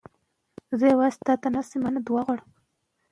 که تاریخ وي نو تیر وخت نه هیریږي.